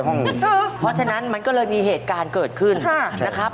เพราะฉะนั้นมันก็เลยมีเหตุการณ์เกิดขึ้นนะครับ